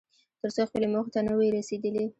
تر څو خپلې موخې ته نه وې رسېدلی.